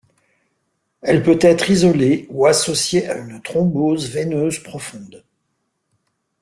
Elle peut être isolée ou associée à une thrombose veineuse profonde.